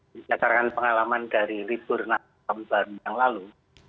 dikitarakan pengalaman dari libur tahun lalu